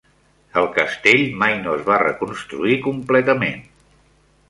El castell mai no es va reconstruir completament.